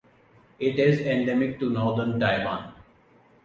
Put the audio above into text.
It is endemic to northern Taiwan.